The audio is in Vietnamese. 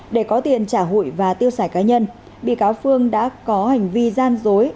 để có tiền trả hụi và tiêu xài cá nhân bị cáo phương đã có hành vi gian dối